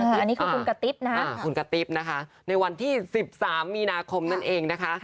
อันนี้คือคุณกะติ๊บนะคุณกะติ๊บนะคะในวันที่๑๓มีนาคมนั่นเองนะคะ